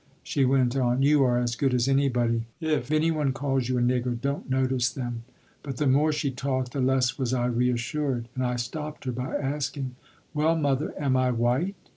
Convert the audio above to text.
She went on: "You are as good as anybody; if anyone calls you a nigger, don't notice them." But the more she talked, the less was I reassured, and I stopped her by asking: "Well, mother, am I white?